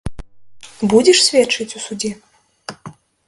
Будзеш сведчыць у судзе?